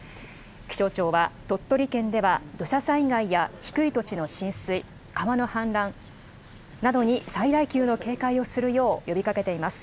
気象庁は、鳥取県では土砂災害や低い土地の浸水、川の氾濫などに最大級の警戒をするよう呼びかけています。